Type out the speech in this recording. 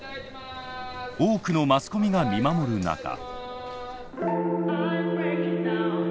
多くのマスコミが見守る中。